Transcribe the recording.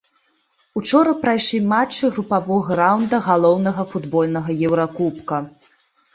Учора прайшлі матчы групавога раўнда галоўнага футбольнага еўракубка.